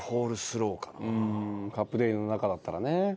うーんカップデリの中だったらね。